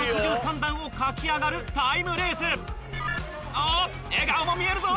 お笑顔も見えるぞ！